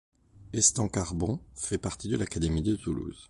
Estancarbon fait partie de l'académie de Toulouse.